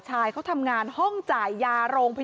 เจ้าของห้องเช่าโพสต์คลิปนี้